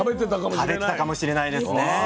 食べてたかもしれないですね。